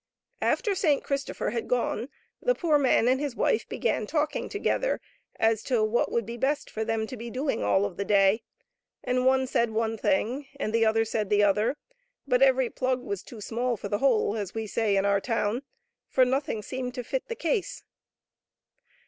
After Saint Christopher had gone the poor man and his wife began talking together as to what would be best for them to be doing all of the day, and one said one thing and the other said the other, but every plug was too small for the hole, as we say in our town, for nothing seemed to fit the case.